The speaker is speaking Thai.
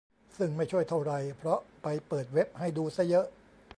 ซึ่งไม่ช่วยเท่าไหร่ เพราะไปเปิดเว็บให้ดูซะเยอะ